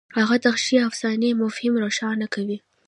هغه د شخصي افسانې مفهوم روښانه کوي.